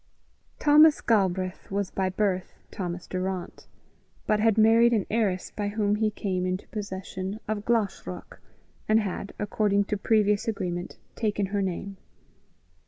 Thomas Galbraith was by birth Thomas Durrant, but had married an heiress by whom he came into possession of Glashruach, and had, according to previous agreement, taken her name.